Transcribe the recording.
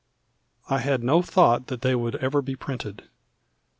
I had no thought that they would ever be printed.